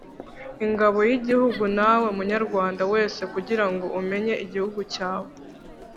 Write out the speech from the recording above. ingabo y'igihugu nawe munyarwanda wese kugira ngo umenye igihugu cyawe